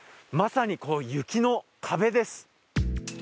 まさに雪の壁です。